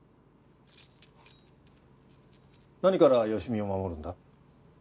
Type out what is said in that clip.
何から好美を守るんだ？